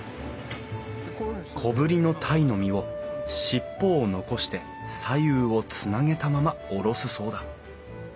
小ぶりの鯛の身を尻尾を残して左右をつなげたまま下ろすそうだ。